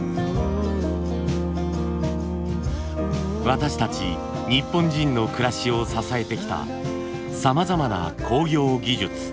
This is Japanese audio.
私たち日本人の暮らしを支えてきたさまざまな工業技術。